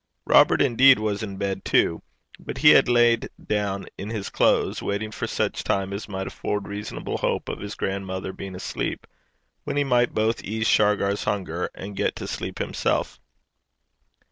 Robert, indeed, was in bed too; but he had lain down in his clothes, waiting for such time as might afford reasonable hope of his grandmother being asleep, when he might both ease Shargar's hunger and get to sleep himself.